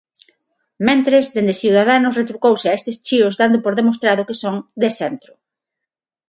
Mentres, dende Ciudadanos retrucouse a estes chíos dando por demostrado que son "de centro".